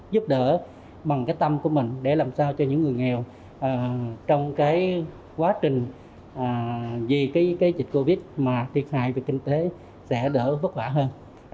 giúp đỡ bằng tâm của mình để làm sao cho những người nghèo trong quá trình vì dịch covid mà thiệt hại về kinh tế sẽ đỡ bất khỏa hơn